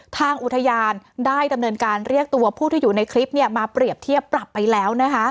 ทางอุทยานได้ดำเนินการเรียกตัวผู้ที่อยู่ในคลิปมาเปรียบเทียบปรับไปแล้วนะคะ